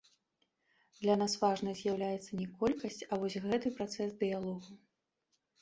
Для нас важнай з'яўляецца не колькасць, а вось гэты працэс дыялогу.